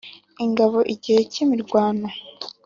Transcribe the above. ingabo igihe k’imirwano